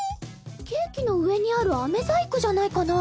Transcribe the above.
ケーキの上にあるアメ細工じゃないかな？